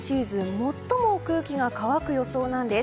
最も空気が乾く予想なんです。